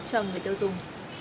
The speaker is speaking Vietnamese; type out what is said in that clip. cho người tiêu dùng